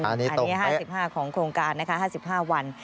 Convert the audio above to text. หากนี้๕๕วันของโครงการ